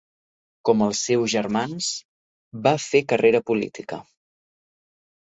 Com els seus germans, va fer carrera política.